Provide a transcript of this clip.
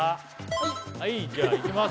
はいはいじゃあいきます